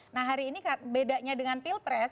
nah hari ini bedanya dengan pilpres